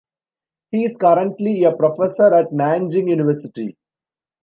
He is currently a professor at Nanjing University.